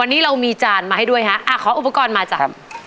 วันนี้เรามีจานมาให้ด้วยฮะอ่าขออุปกรณ์มาจ้ะครับ